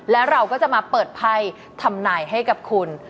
แล้วเราก็จะมาเปิดไพ่ทำนายให้กับคุณ